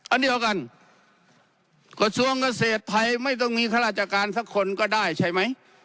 อันเดียวกันกระทรวงเกษตรไทยไม่ต้องมีข้าราชการสักคนก็ได้ใช่ไหม